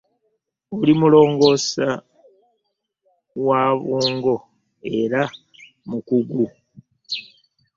Oli mulongoosa w'abwongo era mukugu .